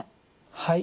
はい。